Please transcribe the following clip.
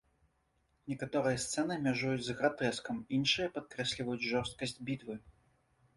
Некаторыя сцэны мяжуюць з гратэскам, іншыя падкрэсліваюць жорсткасць бітвы.